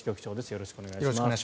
よろしくお願いします。